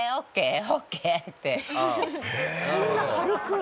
そんな軽く？